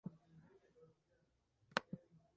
¿vive?